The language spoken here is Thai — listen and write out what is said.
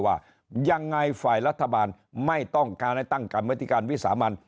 ว่ายังไงฝ่ายรัฐบาลไม่ต้องการให้ตั้งกรรมธิการวิสามัน